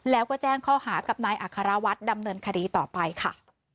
แล้วก็แจ้งข้อหากับนายอัครวัฒน์ดำเนินคดีต่อไปค่ะ